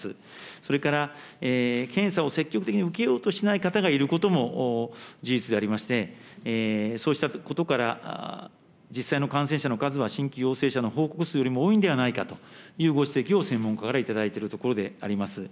それから、検査を積極的に受けようとしない方がいることも事実でありまして、そうしたことから、実際の感染者の数は、新規陽性者の報告数よりも多いんではないかというご指摘を、専門家から頂いているところであります。